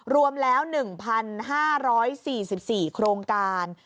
รวมแล้ว๑๕๔๔โครงการ